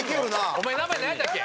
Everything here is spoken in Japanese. お前名前なんやったっけ？